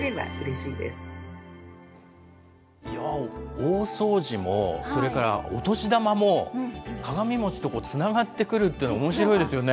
大掃除も、それからお年玉も、鏡餅とつながってくるっていうのはおもしろいですよね。